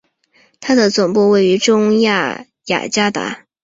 它的总部位于中亚雅加达。